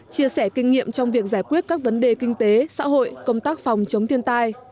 chia sẻ kinh nghiệm trong việc giải quyết các vấn đề kinh tế xã hội công tác phòng chống thiên tai